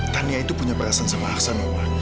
tanya itu punya perasaan sama aksan ma